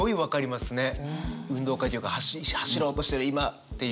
運動会っていうか走ろうとしてる今っていう。